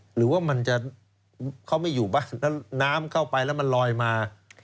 หรือว่ามันจะเขาไม่อยู่บ้านแล้วน้ำเข้าไปแล้วมันลอยมา